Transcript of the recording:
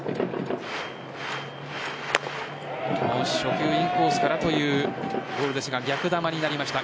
初球インコースからというボールですが逆球になりました。